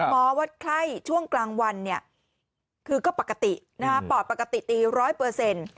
โมวัดไข้ช่วงกลางวันคือก็ปกติปลอดปกติตี่ร้อยเปอร์เซ็นต์